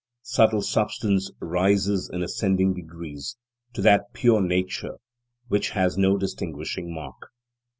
Subtle substance rises in ascending degrees, to that pure nature which has no distinguishing mark.